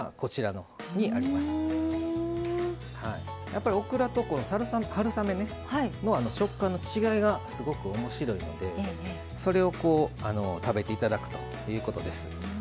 やっぱりオクラと春雨の食感の違いがすごく面白いのでそれを食べて頂くということです。